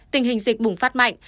tình hình dịch bùng phát mạnh